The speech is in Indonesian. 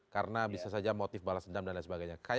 karena bisa saja motif balas jendak dan lain sebagainya